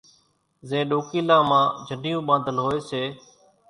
زين ڏوڪيلان مان جنڍيون ٻاندل ھوئي سي